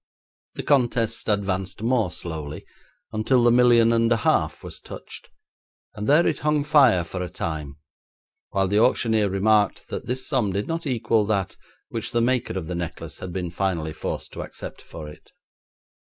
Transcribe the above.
The contest advanced more slowly until the million and a half was touched, and there it hung fire for a time, while the auctioneer remarked that this sum did not equal that which the maker of the necklace had been finally forced to accept for it.